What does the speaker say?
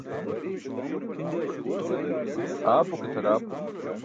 Aapo ke tʰaḍaapo.